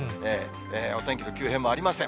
お天気の急変もありません。